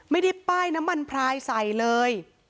ไม่ได้ป้ายน้ำมันพลายใส่เลย